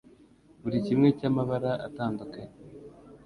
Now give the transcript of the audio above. buri kimwe cyamabara atandukanye